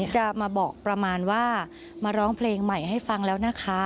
จะมาบอกประมาณว่ามาร้องเพลงใหม่ให้ฟังแล้วนะคะ